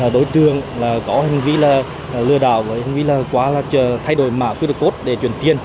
đối tượng có hành vi lừa đảo hành vi quá là thay đổi mã qr code để chuyển tiền